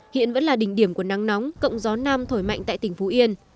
hiện vẫn là đỉnh điểm của nắng nóng cộng gió nam thổi mạnh tại tỉnh phú yên